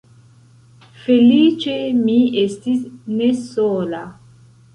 Feliĉe mi estis ne sola.